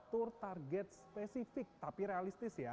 atur target spesifik tapi realistis ya